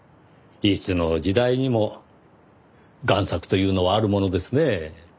いつの時代にも贋作というのはあるものですねぇ。